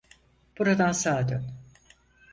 Buradan sağa dön.